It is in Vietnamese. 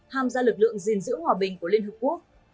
tham gia lực lượng gìn giữ hòa bình của liên hợp quốc